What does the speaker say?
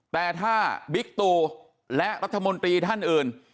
แต่ถ้าบิ๊กตูและรัฐมนตรีท่านอื่น